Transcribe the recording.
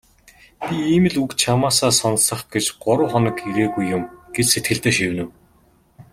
"Би ийм л үг чамаасаа сонсох гэж гурав хоног ирээгүй юм" гэж сэтгэлдээ шивнэв.